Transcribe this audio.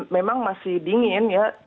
memang masih dingin ya